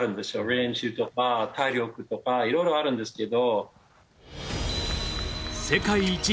練習とか体力とかいろいろあるんですけど。